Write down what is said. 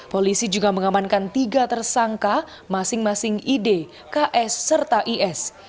polisi juga mengamankan tiga tersangka masing masing id ks serta is